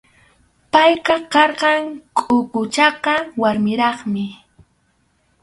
Payqa karqan kʼuku chaka warmiraqmi.